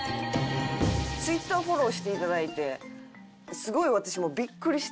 Ｔｗｉｔｔｅｒフォローして頂いてすごい私もビックリして。